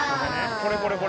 これこれこれ。